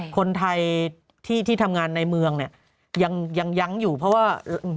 คนไทยที่ทำงานในเมืองเนี่ยยังยั้งอยู่เพราะว่า